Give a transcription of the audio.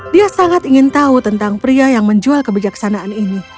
dia sangat ingin tahu tentang pria yang menjual kebijaksanaan ini